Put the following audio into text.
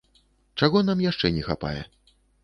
Чаго нам яшчэ не хапае?